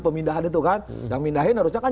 pemindahan itu kan yang pindahin harusnya kan